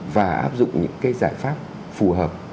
và áp dụng những cái giải pháp phù hợp